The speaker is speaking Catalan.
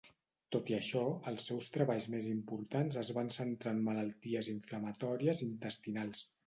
Tot i això, els seus treballs més importants es van centrar en malalties inflamatòries intestinals.